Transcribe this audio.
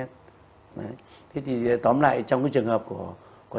thế thì tóm lại trong trường hợp của